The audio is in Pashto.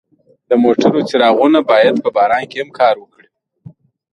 د موټرو څراغونه باید په باران کې هم کار وکړي.